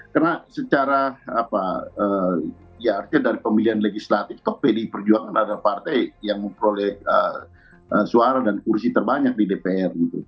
karena secara ya artinya dari pemilihan legislatif ke pdip perjuangan ada partai yang memperoleh suara dan kursi terbanyak di dpr